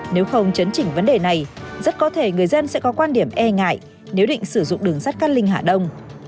nếu không chấn chỉnh vấn đề này rất có thể người dân sẽ có quan điểm e ngại nếu định sử dụng đường sắt cát linh hạ đông